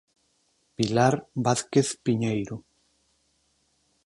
Pilar Vázquez Piñeiro.